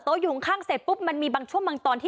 โต๊ะอยู่ของข้างแล้วปุ๊บมันมีบางช่วงบางตอนที่